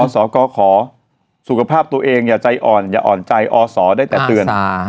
อศกขสุขภาพตัวเองอย่าอ่อนใจอศได้แต่เตือน